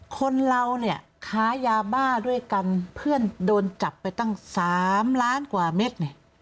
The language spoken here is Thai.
คนเราขายาบ้าด้วยกันเพื่อนโดนจับไปตั้ง๓ล้านกว่าเม็ด